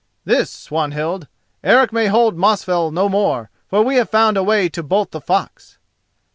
"This, Swanhild: Eric may hold Mosfell no more, for we have found a way to bolt the fox."